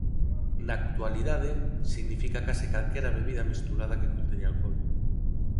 Na actualidade significa case calquera bebida mesturada que conteña alcohol.